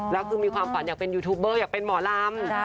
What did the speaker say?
แล้วคือมีความฝันอยากเป็นยูทูปเบอร์อยากเป็นหมอลำ